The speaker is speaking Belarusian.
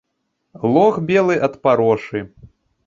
Лог белы ад парошы.